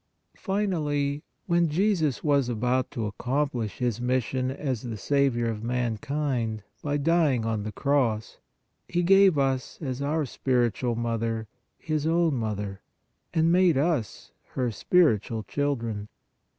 Finally, when Jesus was about to accomplish His mission as the Saviour of mankind by dying on the cross, He gave us as our spiritual Mother His own Mother, and made us her spiritual children.